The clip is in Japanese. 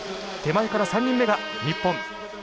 手前から３人目が日本。